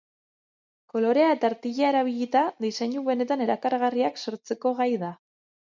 Kolorea eta artilea erabilita, diseinu benetan erakargarriak sortzeko gai da.